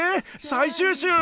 最終週！